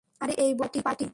আরে এই বয়সে পার্টি?